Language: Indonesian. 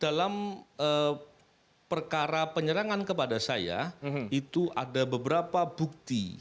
dalam perkara penyerangan kepada saya itu ada beberapa bukti